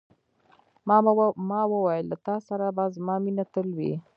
ما وویل، له تا سره به زما مینه تل وي.